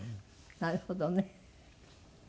なるほどね。